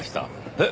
えっ！